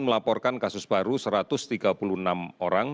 melaporkan kasus baru satu ratus tiga puluh enam orang